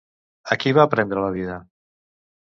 A qui va prendre la vida?